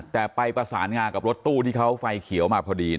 แต่ไปประสานงากับรถตู้ที่เขาไฟเขียวมาพอดี